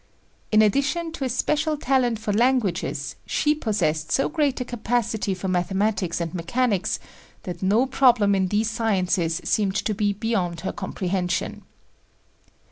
In addition to a special talent for languages, she possessed so great a capacity for mathematics and mechanics that no problem in these sciences seemed to be beyond her comprehension.